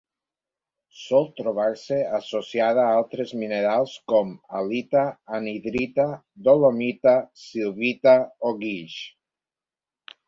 Sol trobar-se associada a altres minerals com: halita, anhidrita, dolomita, silvita o guix.